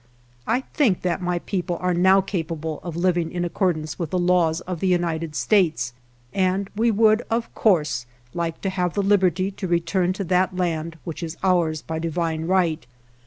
I think that my people are now capable of living in accordance with the laws of the United States, and we would, of course, like to have the liberty to return to that land which is ours by divine right.